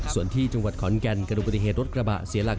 ส่วนที่จังหวัดขอนแก่นกระดูกปฏิเหตุรถกระบะเสียหลัก